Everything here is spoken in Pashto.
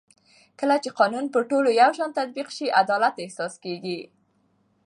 کله چې قانون پر ټولو یو شان تطبیق شي عدالت احساس کېږي